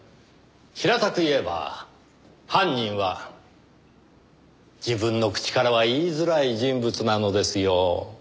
平たく言えば犯人は自分の口からは言いづらい人物なのですよ。